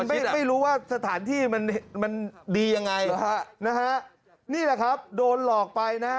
มันไม่รู้ว่าสถานที่มันดียังไงนี่แหละครับโดนหลอกไปนะ